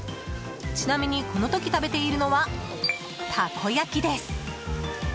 ちなみに、この時食べているのはたこ焼きです。